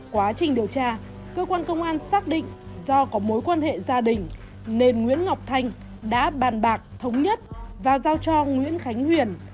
quá trình điều tra cơ quan công an xác định do có mối quan hệ gia đình nên nguyễn ngọc thanh đã bàn bạc thống nhất và giao cho nguyễn khánh huyền